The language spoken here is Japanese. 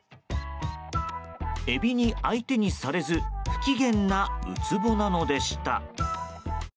エビに相手にされず不機嫌なウツボなのでした。